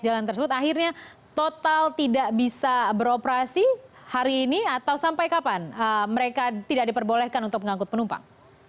jalan tersebut akhirnya total tidak bisa beroperasi hari ini atau sampai kapan mereka tidak diperbolehkan untuk mengangkut penumpang